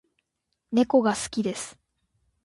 猫が好きです